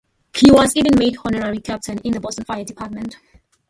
He was even made an "Honorary Captain" in the Boston Fire Department.